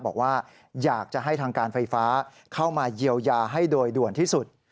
บอกว่าอยากจะให้ทางการไฟฟ้าเข้ามาเยียวยาให้โดยด่วนที่สุด